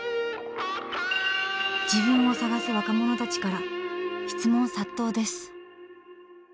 自分を探す若者たちから質問殺到です。